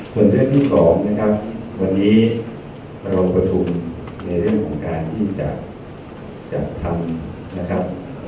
ส่วนเรื่องที่สองนะครับวันนี้มาลงประชุมในเรื่องของการที่จะจัดทำนะครับ